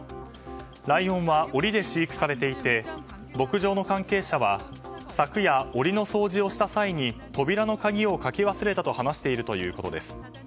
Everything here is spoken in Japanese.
ライオンは檻で飼育されていて牧場の関係者は昨夜、檻の掃除をした際に扉の鍵をかけ忘れたと話しているということです。